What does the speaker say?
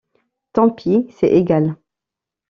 Tant pis, c’est égal.